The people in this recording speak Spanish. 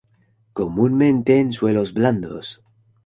Comúnmente en suelos blandos.